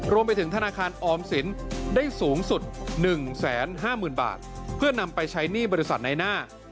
รวมไปถึงธนาคารออมสินได้สูงสุด๑๕๐๐๐บาทเพื่อนำไปใช้หนี้บริษัทในหน้า